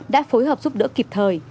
đã phối hợp giúp đỡ kịp thời